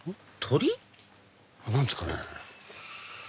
何ですかね？